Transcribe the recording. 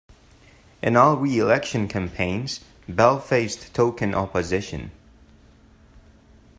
In all re-election campaigns, Bell faced token opposition.